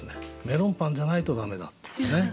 メロンパンじゃないと駄目だっていうね。